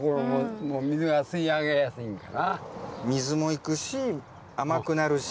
水もいくし甘くなるし。